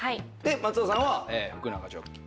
松尾さんは福永元ジョッキー。